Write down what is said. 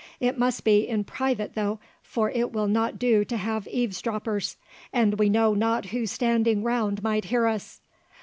It must be in private though, for it will not do to have eaves droppers, and we know not who standing round might hear us.